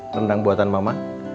rendang buatan mama